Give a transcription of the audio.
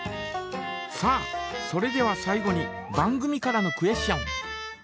さあそれでは最後に番組からのクエスチョン。